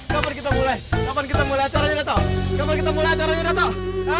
kapan kita mulai kapan kita mulai acaranya datu